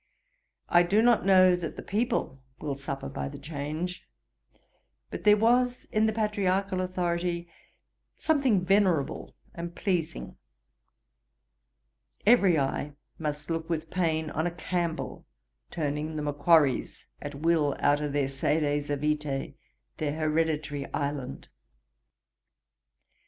I do not know that the people will suffer by the change; but there was in the patriarchal authority something venerable and pleasing. Every eye must look with pain on a Campbell turning the Macquarries at will out of their sedes avitæ, their hereditary island.